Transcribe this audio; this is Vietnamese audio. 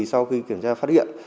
sau khi kiểm tra phát hiện